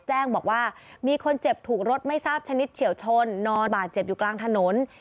แจ้งบอกว่ามีคนเจ็บถูกรถไม่ทราบชนิดเฉียวชนนอนบาดเจ็บอยู่กลางถนน